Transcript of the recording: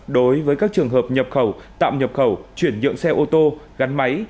đối với các trường hợp nhập khẩu tạm nhập khẩu chuyển nhượng xe ô tô gắn máy